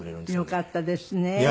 よかったですね